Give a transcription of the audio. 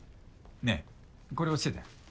ねえこれ落ちてたよ。